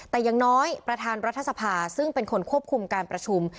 แต่อย่างน้อยประธานรัฐสภาซึ่งเป็นคนควบคุมการประชุม